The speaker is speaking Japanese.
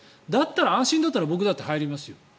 安心だったら僕だって入りますよ。